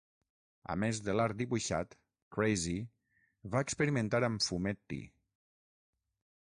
A més de l'art dibuixat, "Crazy" va experimentar amb fumetti.